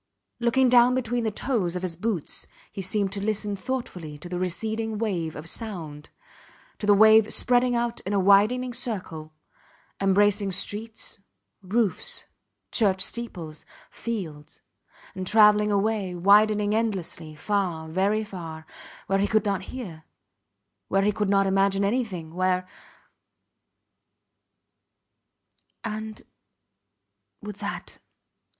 Looking down between the toes of his boots he seemed to listen thoughtfully to the receding wave of sound; to the wave spreading out in a widening circle, embracing streets, roofs, church steeples, fields and travelling away, widening endlessly, far, very far, where he could not hear where he could not imagine anything where ... And with that